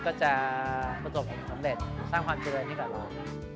ก็จะประสบความสำเร็จสร้างความเจริญให้กับเรา